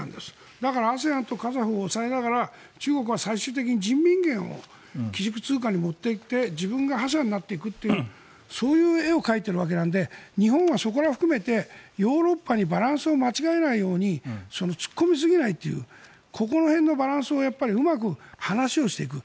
だから、ＡＳＥＡＮとカザフを押さえながら中国は最終的に人民元を基軸通貨にもっていって自分が覇者になっていくというそういう絵を描いているわけで日本はそこら辺を含めてヨーロッパにバランスを間違えないように突っ込みすぎないというここら辺のバランスをうまく話をしていく。